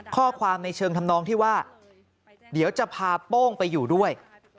ข้อความในเชิงทำนองที่ว่าเดี๋ยวจะพาโป้งไปอยู่ด้วย